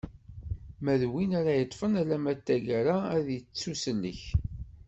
Ma d win ara yeṭṭfen alamma d taggara ad ittusellek.